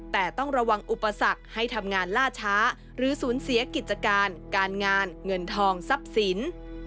แต่ต้องระวังอุปสรรคให้ทำงานล่าช้าหรือสูญเสียกิจการการงานเงินทองทรัพย์สิน